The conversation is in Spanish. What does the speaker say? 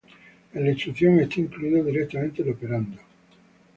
En la instrucción está incluido directamente el operando.